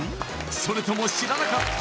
それとも知らなかった？